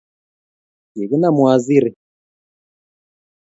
Kikinam wasiri